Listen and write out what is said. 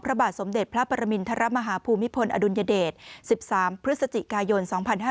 พระบาทสมเด็จพระปรมินทรมาฮาภูมิพลอดุลยเดช๑๓พฤศจิกายน๒๕๕๙